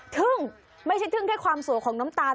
ไม่ใช่ทึ่งแค่ความสวยของน้ำตาล